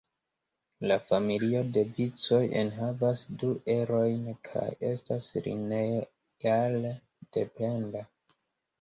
La "familio" de vicoj enhavas du erojn kaj estas lineare dependa.